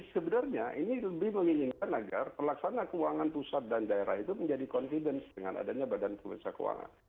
sebenarnya ini lebih menginginkan agar pelaksana keuangan pusat dan daerah itu menjadi confidence dengan adanya badan pemeriksa keuangan